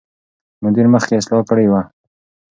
مدیر مخکې اصلاح کړې وه.